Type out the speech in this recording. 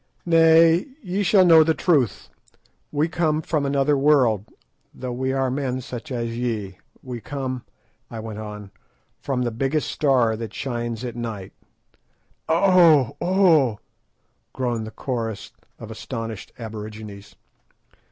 "Nay, ye shall know the truth. We come from another world, though we are men such as ye; we come," I went on, "from the biggest star that shines at night." "Oh! oh!" groaned the chorus of astonished aborigines.